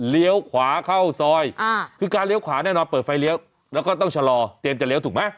ขวาเข้าซอยคือการเลี้ยวขวาแน่นอนเปิดไฟเลี้ยวแล้วก็ต้องชะลอเตรียมจะเลี้ยวถูกไหม